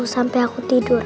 sampai aku tidur